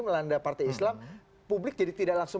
melanda partai islam publik jadi tidak langsung